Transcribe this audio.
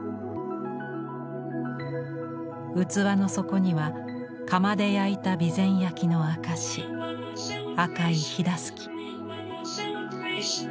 器の底には窯で焼いた備前焼の証し赤い緋襷。